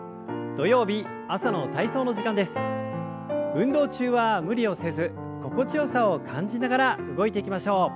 運動中は無理をせず心地よさを感じながら動いていきましょう。